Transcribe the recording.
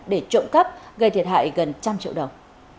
để trộm cắp gây thiệt hại gần trăm triệu đồng